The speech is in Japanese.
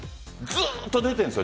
ずっと出ているんです